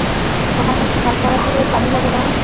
তোমার কাছে হাতকড়া খোলার চাবি হবে না, না?